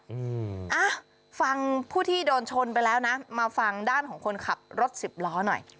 อืมอ่ะฟังผู้ที่โดนชนไปแล้วนะมาฟังด้านของคนขับรถสิบล้อหน่อย